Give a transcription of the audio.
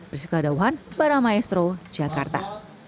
bersekadar para maestro jakarta